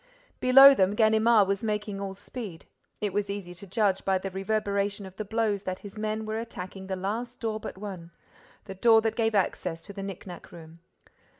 Below them, Ganimard was making all speed. It was easy to judge by the reverberation of the blows that his men were attacking the last door but one, the door that gave access to the knicknack room.